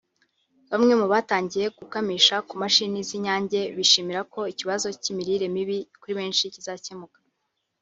Bamwe mu batangiye gukamisha ku mashini z’Inyange bishimira ko ikibazo cy’imirire mibi kuri benshi kizakemuka